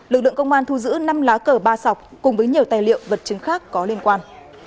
lực lượng công an thu giữ năm lá cờ ba sọc cùng với nhiều tài liệu vật chứng khác có liên quan